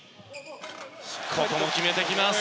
ここも決めてきます。